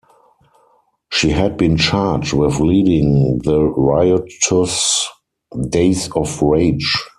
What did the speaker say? She had been charged with leading the riotous "Days of Rage".